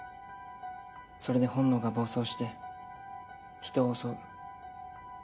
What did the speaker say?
それで本能が暴走して人を襲う。